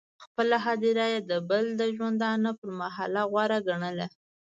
خپله هدیره یې د بل د ژوندانه پر محله غوره ګڼله.